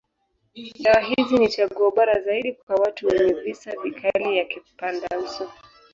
Dawa hizi ni chaguo bora zaidi kwa watu wenye visa vikali ya kipandauso.